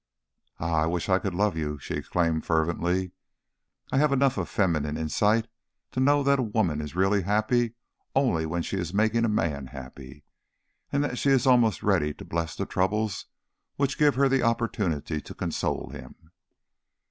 "Ah, I wish I could love you," she exclaimed fervently. "I have enough of feminine insight to know that a woman is really happy only when she is making a man happy, and that she is almost ready to bless the troubles which give her the opportunity to console him."